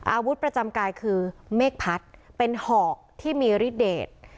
อาวุธประจำกายคือเมฆพัดเป็นหอกที่มีฤทเดช